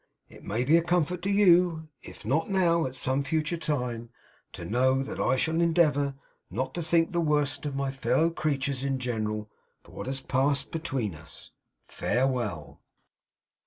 It may be a comfort to you, if not now, at some future time, to know that I shall endeavour not to think the worse of my fellow creatures in general, for what has passed between us. Farewell!